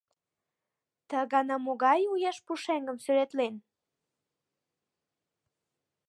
Ты гана могай у еш-пушеҥгым сӱретлен?